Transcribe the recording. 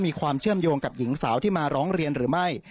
มีความเชื่อมโยงกับหญิงสาวที่มาร้องเรียนหรือไม่